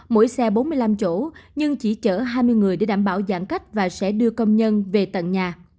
mỗi xe bốn mươi năm chỗ nhưng chỉ chở hai mươi người để đảm bảo giãn cách và sẽ đưa công nhân về tận nhà